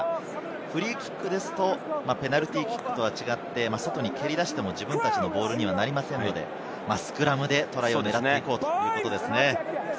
フリーキックですとペナルティーキックとは違って、外に蹴り出しても、自分たちのボールにはなりませんので、スクラムでトライを狙っていこうということですね。